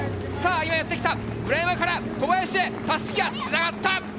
今やってきた村山から小林へ襷が繋がった！